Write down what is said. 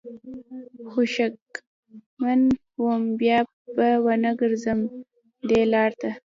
خو شکمن وم بیا به ونه ګرځم دې لار ته